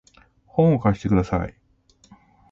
本を貸してください